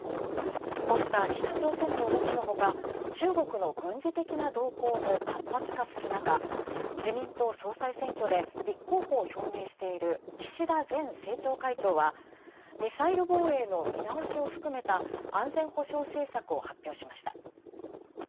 こうした北朝鮮の動きのほか中国の軍事的な動向も活発化するなか自民党総裁選挙で立候補を表明している岸田前政調会長は、ミサイル防衛の見直しを含めた安全保障政策を発表しました。